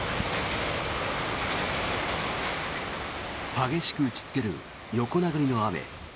激しく打ちつける横殴りの雨。